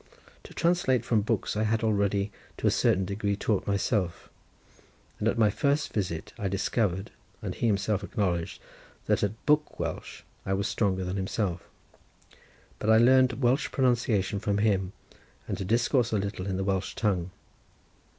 To translate from books I had already, to a certain degree, taught myself, and at his first visit I discovered, and he himself acknowledged, that at book Welsh I was stronger than himself, but I learnt Welsh pronunciation from him, and to discourse a little in the Welsh tongue.